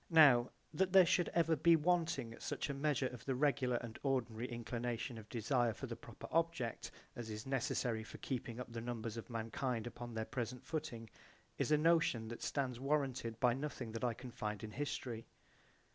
Now that there should ever be wanting such a measure of the regular and ordinary inclination of desire for the proper object I as is necessary for keeping up the numbers of mankind upon their present footing is a notion that stands warranted by nothing that I can find in history.